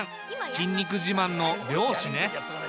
筋肉自慢の漁師ね。